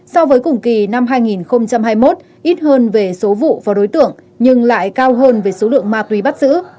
so với cùng kỳ năm hai nghìn hai mươi một ít hơn về số vụ và đối tượng nhưng lại cao hơn về số lượng ma túy bắt giữ